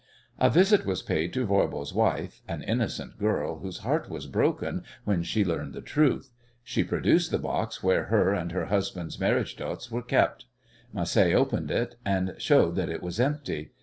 A visit was paid to Voirbo's wife, an innocent girl, whose heart was broken when she learned the truth. She produced the box where her and her husband's marriage dots were kept. Macé opened it, and showed that it was empty.